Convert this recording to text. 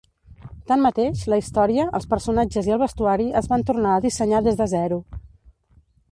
Tanmateix, la història, els personatges i el vestuari es van tornar a dissenyar des de zero.